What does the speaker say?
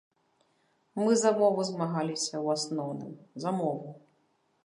Мы за мову змагаліся, у асноўным, за мову.